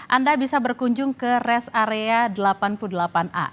anda bisa berkunjung ke rest area delapan puluh delapan a